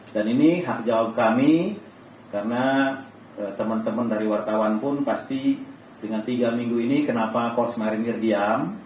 dan ini hak jawab kami karena teman teman dari wartawan pun pasti dengan tiga minggu ini kenapa kosmarinir diam